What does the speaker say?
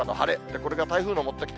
これが台風の持ってきた